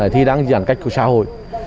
thì đang giảm cách của xã hội